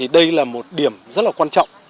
đây là một điểm rất là quan trọng